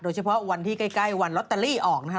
เฉพาะวันที่ใกล้วันลอตเตอรี่ออกนะคะ